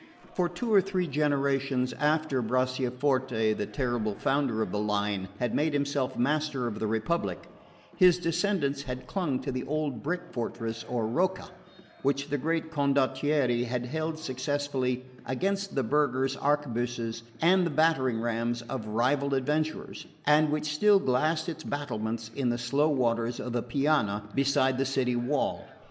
For two or three generations after Bracciaforte, the terrible founder of the line, had made himself master of the republic, his descendants had clung to the old brick fortress or rocca which the great condottiere had held successfully against the burghers' arquebuses and the battering rams of rival adventurers, and which still glassed its battlements in the slow waters of the Piana beside the city wall.